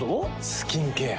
スキンケア。